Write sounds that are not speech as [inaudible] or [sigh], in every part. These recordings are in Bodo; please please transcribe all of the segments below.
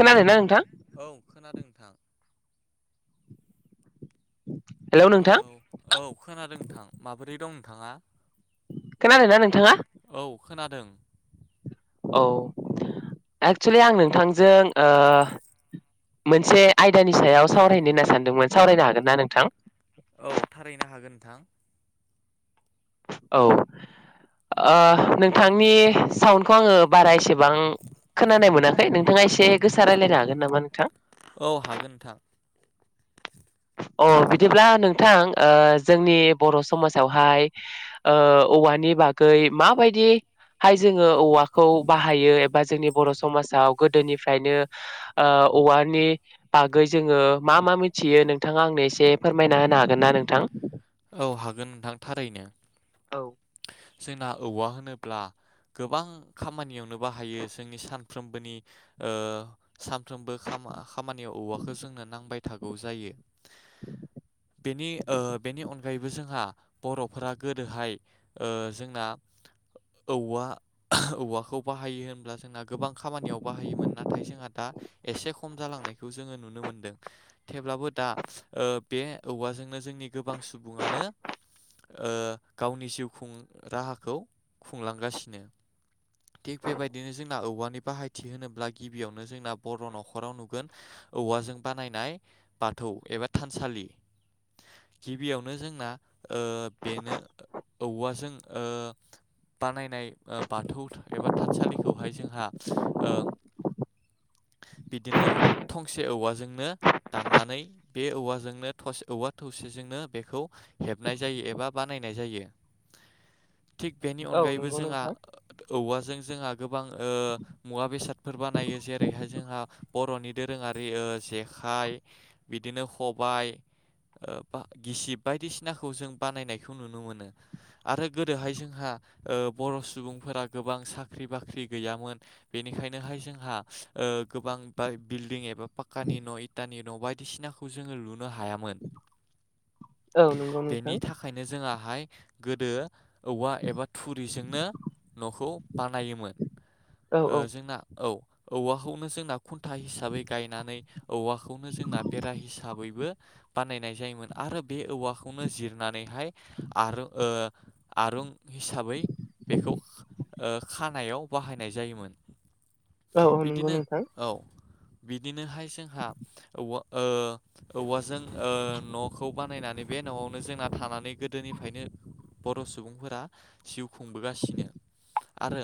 खोनादों ना नोंथां औ खोनादों नोंथां। हेलौ नोंथां औ औ खोनादों नोंथां माबोरै दं नोंथाङा खोनादोंना नोंथाङा औ खोनादों। औ एक्सुुलि आं नोंथांजों ओ मोनसे आयदानि सायाव सावरायनो होनना सानदोंमोन सावरायनो हागोन ना नोंथां औ थारैनो हागोन नोंथां। औ। ओ नोंथांनि साउन्डखौ आङो बारा एसेबां खोनानाय मोनाखै नोंथाङा एसे गोससा रायलायनो हागोन नामा नोंथां औ हागोन नोंथां। अ बिदिब्ला नोंथां ओ जोंनि बर' समाजावहाय ओ औवानि बागै माबायदि हाय जोङो औवाखौ बाहायो एबा जोंनि बर' समाजाव गोदोनिफ्रायनो ओ औवानि बागै जोङो मा मा मिथियो नों थाङा आंनो एसे फोरमायना होनो हागोन ना नोंथां औ हागोन नोंथां थारैनो। औ। जोंना औवा होनोब्ला गोबां खामानियावनो बाहायो जोंनि सानफ्रोमबोनि ओ सानफ्रोमबो खामा-खामानियाव औवाखौ जोंनो नांबाय थागौ जायो। बेनि ओ बेनि अनगायैबो जोंहा बर'फोरा गोदोहाय ओ जोंना औवा औवाखौ बाहायो होनब्ला जोंना गोबां खामानियाव बाहायोमोन नाथाय जोंहा दा एसे खम जालांनायखौ जोङो नुनो मोनदों थेवब्लाबो दा ओ बे औवाजोंनो जोंनि गोबां सुबुङानो ओ गावनि जिउ खुं राहाखौ खुंलांगासिनो। थिग बेबायदिनो जोंना औवानि बाहायथि होनोब्ला गिबियावनो जोंना बर' न'खराव नुगोन। औवाजों बानायनाय बाथौ एबा थानसालि गिबियावनो जोंना ओ बेनो औवाजों ओ बानायनाय ओ बा थौ एबा थानसालिखौहाय जोंहा ओ बिदिनो थंसे औवाजोंनो दाननानै बे औवाजोंनो थस औवा थ' सेजोंनो बेखौ हेबनाय जायो एबा बानायनाय जायो। थिग बेनि औ अनगायैबो नंगौ जोंहा नोंथां औवाजों जोंहा गो बां ओ मुवा बेसादफोर बानायो जेरैहाय जोंहा बर'नि दोरोङारि ओ जेखाइ बिदिनो ख'बाइ ओ बा गिसिब बायदिसिनाखौ जों बानायनायखौ नुनो मोनो। आरो गोदोहाय जोंहा ओ बर' सुबुं फोरा गोबां साख्रि बाख्रि गैयामोन बेनिखायनोहाय जोंहा ओ गोबां बाय बि भिल्डिं एबा पाक्कानि न' इटानि न' बायदिसिनाखौ जोङो लुनो हायामोन। औ नंगौ बेनि नोंथां थाखायनो जोङाहाय गोदो औवा एबा थुरिजोंनो न'खौ बानायोमोन। औ ओ जोंना औ औवाखौनो जोंना खुन्था हिसाबै गायनानै औवाखौनो जोंना बेरा हिसाबैबो बानायनाय जायोमोन आरो बे औवाखौनो जिरनानैहाय आर ओ आरुं हिसाबै बेखौ खा ओ खानायाव बाहायनाय जायोमोन। औ औ नंगौ बिदिनो नोंथां। औ बिदिनोहाय जोंहा औवा ओ औवाजों ओ न'खौ बानायनानै बे न'आवनो जोंना थानानै गोदोनिफायनो बर' सुबुंफोरा जिउ खुंबोगासिनो आरो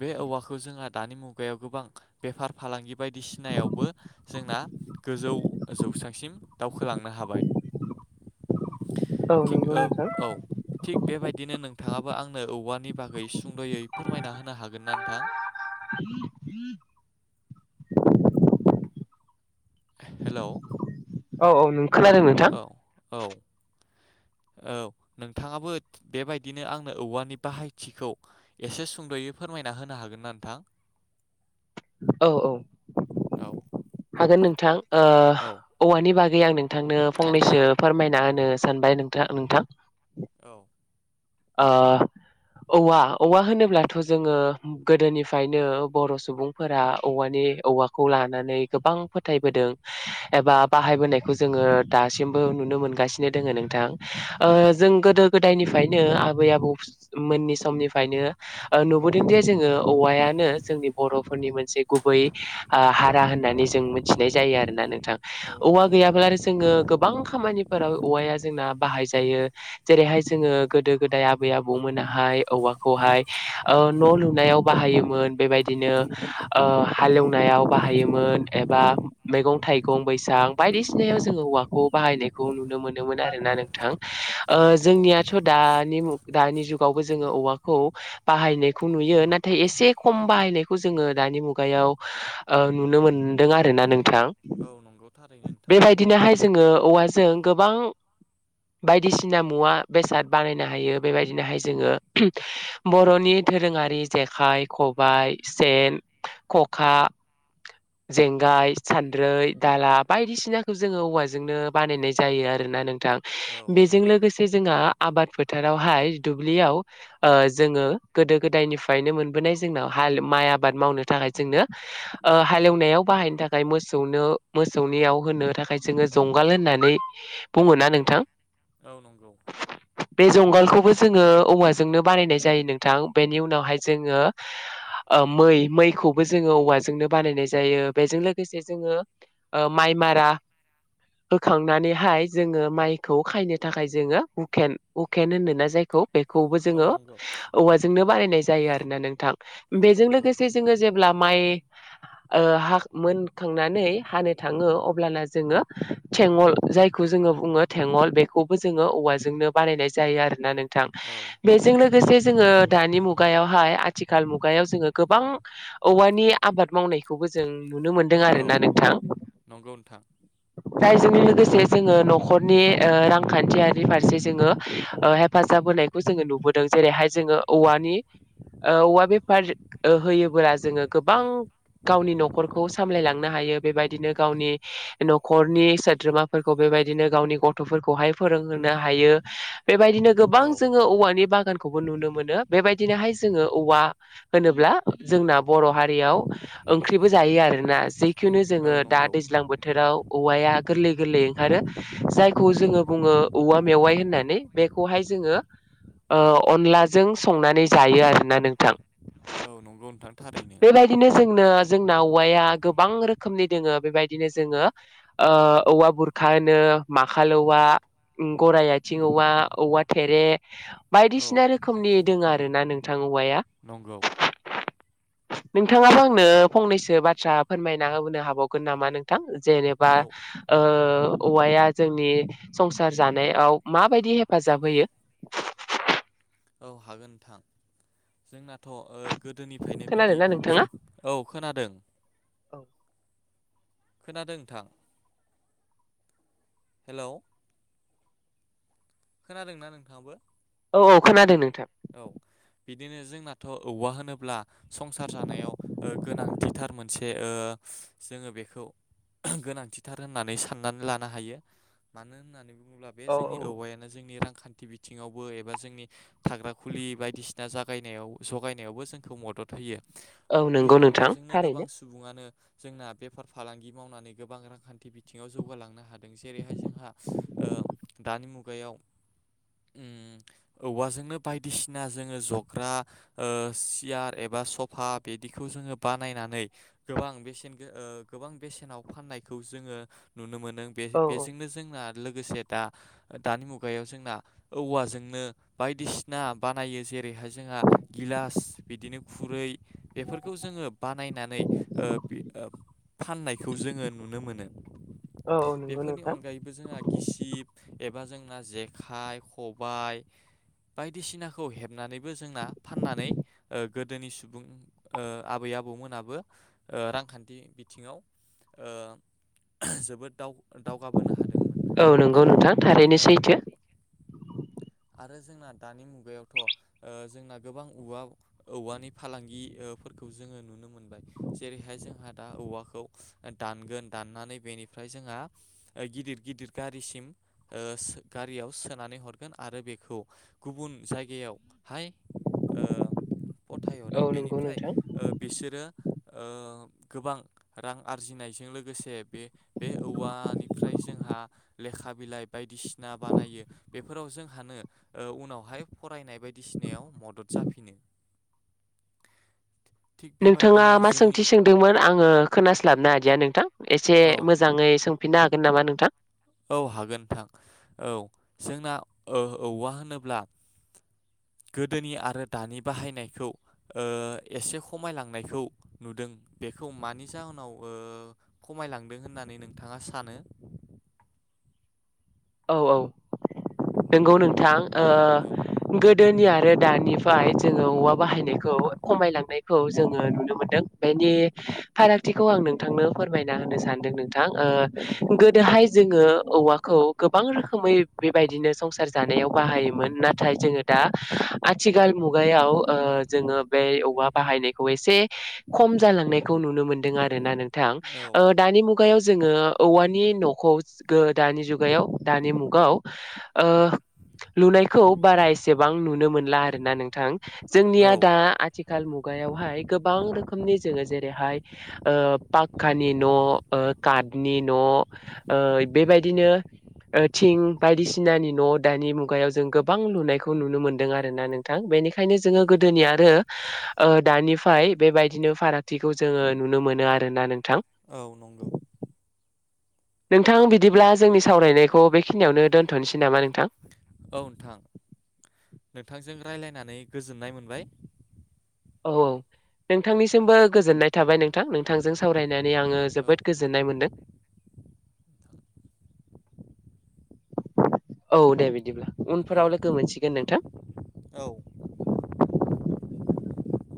बे औवाखौ जोंहा दानि मुगायाव गोबां बेफार फालांगि बायदिसिनायावबो जोंना गोजौ जौसांसिम दावखोलांनो हाबाय औ थिग नंगौ ओ नोंथां औ थिग बेबायदिनो नों थाङाबो आंनो औवानि बागै सुंद'यै फोरमायना होनो हागोन ना नोंथां हेलौ औ औ नों खोनादों नोंथां औ औ औ नोंथाङाबो बेबायदिनो आंनो औवानि बाहायथिखौ एसे सुंद'यै फोरमायना होनो हागोन ना नोंथां औ औ औ हागोन नोंथां ओ औ औवानि बागै आं नों थांनो फंनैसो फोरमायना होनो सानबाय नोंथा नोंथां औ ओ औवा औवा होनोब्लाथ' जोङो गोदोनिफायनो बर' सुबुंफोरा औवानि औवाखौ लानानै गोबां फोथायबोदों एबा बाहाबोनायखौ जोङो दासिमबो नुनो मोनगासिनो दङो नोंथां। ओ औ जों गोदो गोदायनिफाय नो आबै आबौ [unintelligible] मोननि समनिफायनो नुबोदों जे जोङो औवायानो जोंनि बर'फोरनि मोनसे गुबै आ हारा होननानै जों मोन्थिनाय जायो आरोना नोंथां औ औवा नंगौ गैयाब्ला आरो जोङो गोबां खामानिफोराव औवाया जोंना बाहायजायो [unintelligible] जेरैहाय जोङो गोदो गोदाय आबै आबौमोनाहाय औवाखौहाय ओ न' लुनायाव बाहायोमोन बेबायदि दिनो ओ हालएवनायाव बाहायोमोन एबा मेगं थाइगं बैसां बाय दिसिनायाव जों औवाखौ बाहायनायखौ नुनो मोनोन आरोना नोंथां औ ओ नंगौ जोंनिया दानि मु दानि जुगावबो जोङो औवाखौ बाहायनायखौ नुयो नाथाय एसे खम बाहाय नायखौ जोङो दानि मुगायाव ओ नुनो मोनदों आरोना नों थां औ नंगौ थारैनो नोंथां बेबायदिनोहाय जोङो औवा जों गोबां बायदिसिना मुवा बेसाद बानायनो हायो बेबायदिनोहाय जोङो [unintelligible] बर'नि दोरोङारि जेखाइ, ख' बाय, सेन, खखा जेंगाय, सान्द्रै, दाला बायदिसिनाखौ जोङो औवाजोंनो बानायनाय जायो आरो ना नोंथां औ बेजों नंगौ [unintelligible] आबाद फोथारावहाय दुब्लियाव ओ जोङो गोदो गोदायनिफायनो मोनबोनाय जों हाल माइ आबाद मावनो थाखाय जोंनो ओ हालेवनायाव बाहायनो थाखाय मोसौनो मोस गोदायाव [unintelligible] होनो थाखाय जोङो जंगाल होननानै बुङोना नोंथां औ नंगौ स बे जंगालखौबो जोङो औवाजोंनो बानायनाय जायो नोंथां बेनि उनावहाय जोङो ओ मै मैखौबो जोङो औवाजोंनो बानायनाय जायो बेजों लोगोसे जोङो ओ माइ मारा होखांनानैहाय जोङो माइखौ खायनो थाखाय जोङो उकेन उकेन होनो ना जायखौ बेखौबो औ जोङो नंगौ औवाजोंनो बानायनाय जायो आरोना नोंथां बेजों नंगौ लोगोसे नोंथां जोङो जेब्ला माइ [inaudible] ओ हा मोनखांनानै हानो थाङो अब्लाना जोङो थेंगल जायखौ जों ङो बुङो थेेंगल बेखौबो जोङो औवाज जों नो बानायनाय जायो आरोना नोंथां औ बेजों नंगौ लोगोसे जोङो दानि मुगायावहाय आथिखाल मुगायाव जोङो गोबां औवानि आबाद मावनायखौबो जों नुनो मोनदों औ आरोना नोंथां। नंगौ नोंथां जायजोंजों लोगोसे जोङो न'खरनि ओ रांखान्थियारि फारसे जोङो ओ हेफाजाब होनायखौ जोङो नुबोदों जेरैहाय जोङो औवानि औवा बेफार होयोब्ला जोङो गोबां‌ गावनि न'खरखौ सामलायलांनो हायो बेबायदिनो गावनि न'खरनि सोद्रोमाफोरखौ बे बेबायदिनो गावनि गथ'फोरखौहाय फोरोंहोनो हायो। बेबायदिनो गोबां औ जोङो औवानि बागानखौबो नुनो मोनो बेबायदि बिदिनोहाय जोङो औवा होनोब्ला जोंना बर' हारियाव ओंख्रिबो जायो आरोना जै खिनु औ जोङो दा नंगौ दैज्लां बोथोराव औवाया गोरलै गोरलै ओंखारो जायखौ जोङो बुङो औवा मेवाय। होननानै बेखौहाय जोङो ओ अनलाजों संनानै जायो आरोना नोंथां। औ नंगौ नोंथां थारैनो। बेबायदिनो जोंनो जोंना औवाया गोबां रोखोमनि दोङो बेबायदिनो जोङो ओ औवा बुरखा माखालौवा गराय आथिं औवा औवा थेरे औ बायदिसिना रोखोमनि दोङो आरोना नोंथां औवाया। नंगौ। नोंथाङाबो आंनो फंनैसो बाथ्रा फोरमायना होनो हाबावगोन नामा नोंथां? जेनेबा औ ओ औवाया जोंनि संसार जानायाव माबायदि हेफाजाब होयो? औ हागोन नोंथां जोंना। थ' ओ गोदोनिफ्रायनो बिदि खोनादोंना नोंथाङा [inaudible] खोनादों औ नोंथां हेल'? खोनादोंना नोंथाङाबो? औ औ खोनादों नोंथां। औ बिदिनो जोंनाथ' औवा होनोब्ला संसार जानायाव ओ गोनांथिथार मोनसे ओ जोङो बेखौ गोनांथिथार होननानै साननानै लानो हायो मानो होननानै बुङोब्ला बे औ जोंनि औ औवायानो जोंनि रांखान्थि बिथिङावबो एबा जोंनि थाग्रा खुलि बायदिसिना जागायनायाव जगायनायावबो जोंखौ मदद होयो। औ बे नंगौ नोंथां औवाजोंनो गोबां थारैनो सुबुङानो जोंना बेफार फालांगि मावनानै गोबां रांखान्थि बिथिङाव जौगालांनो हादों जेरैहाय जोंहा ओ दानि मुगायाव उम औवाजोंनो बायदिसिना जोङो जग्रा ओ सियार एबा सफा बिदिखौ जोङो बानायनानै गोबां बेसेन ओ गोबां बेसेनाव फाननायखौ जोङो नुनो मोन नों बे औ बेजोंनो जोंना लोगोसे दा दानि मुगायाव जोंना औवाजोंनो बायदिसिना ना बानायो जे ओरैहाय जोंहा गिलास बिदिनो खुरै बेफोरखौ जोङो बानायनानै ओ बे फाननायखौ जोङो नुनो मोनो औ औ नंगौ बेफोरनि नोंथां अनगायैबो जोंहा गिसिब एबा जोंना जेखाइ खबाय बायदिसिनाखौ हेबनानैबो जोंना फाननानै ओ गोदोनि सुबुं ओ आबै आबौ आबौमोनाबो ओ रांखान्थि बिथिङाव ओ जोबोद दाव दावगाबोनो हादोंमोन औ नंगौ आरो नोंथां थारैनो औ सैथो आरो जोंना दानि मुगायावथ' ओ जोंना गोबां औवा औवानि फालांगिफोरखौ जोङो नुनो नुनो मोनबाय जेरैहाय जोंहा दा औवाखौ दानगोन दाननानै बेनिफ्राय जोंहा गिदिर गिदिर गारिसिम ओ गारियाव सोनानै हरगोन आरो बेखौ गुबुन जायगायावहाय ओ फथायहरो औ नंगौ बेनिफ्राय नोंथां ओ बिसोरो ओ गोबां रां आरजिनायजों लोगोसे बे बे औवानिफ्राय जोंहा लेखा बिलाइ बायदिसिना बानायो बेफोराव जोंहानो उनावहाय फरायनाय बायदिसिनायाव मदद जाफिनो थिग नोंथाङा बेबायदिनो मा जोंनि सोंथि सोंदोंमोन आङो खोनास्लाबनो हादिया नोंथां एसे औ मोजाङै सोंफिननो हागोन नामा नोंथां औ हागोन नोंथां औ जोंना औवा होनोब्ला [inaudible] गोदोनि आरो दानि बाहायनायखौ एसे खमायलांनायखौ नुदों बे बेखौ मानि जाहोनाव खमायलांदों होननानै नोंथाङा सानो औ औ नंगौ नोंथां औ गोदोनि आरो दानिफ्राय जोङो औवा बाहायनायखौ खमायलांनायखौ जोङो नुनो मोनदों बे नि फारागथिखौ आं नोंथांनो फोरमायना होनो सानदों नोंथां औ गोदोहाय जोङो औवाखौ गोबां रोखोमै बेबायदिनो संसार जानायाव बाहायोमोन नाथाय जोङो दा आथिखाल मुगायाव जोङो बे औवा बाहायनायखौ एसे खम जालांनायखौ नुनो मोनदों आरो ना नोंथां औ दानि मुगायाव जोङो औवानि न'खौ दानि जुग मुगायाव दानि मुगाव लुनायखौ बारा एसेबां नुनो मोनला आरो ना नोंथां औ जोंनिया दा आथिखाल मुगायावहाय गोबां रोखोमनि जोङो जेरैहाय पाक्कानि न' काटनि न' बेबायदिनो थिं बायदिसिनानि न' दानि मुगायाव जों गोबां लुनायखौ नुनो मोनदों आरोना नोंथां बेनिखायनो ओंखायनो जोङो गोदोनि आरो दानिफ्राय बेबायदिनो फारागथिखौ जोङो नुनो मोनो आरोना नोंथां औ नंगौ नोंथां बिदिब्ला जोंनि सावरायनायखौ बेखिनियावनो दोन्थ'नोसै नामा नों औ नोंथां नोंथांजों राय्लायनानै गोजोननाय मोनबाय औ औ नोंथांनिसिमबो गोजोननाय थाबाय नोंथां नोंथांजों सावरायन नानै आङो औ जोबोद गोजोननाय मोन्दों औ दे बिदिब्ला उनफोराव नोंथां लोगो मोनसिगोन नोंथां औ [inaudible]